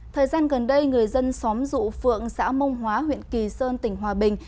thời gian gần đây người dân xóm dụ phượng xã mông hóa huyện kỳ sơn tỉnh hòa bình